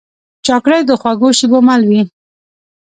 چاکلېټ د خوږو شېبو مل وي.